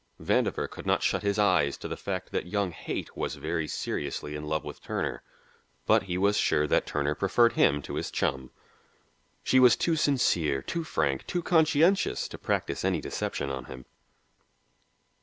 Vandover could not shut his eyes to the fact that young Haight was very seriously in love with Turner. But he was sure that Turner preferred him to his chum. She was too sincere, too frank, too conscientious to practise any deception on him.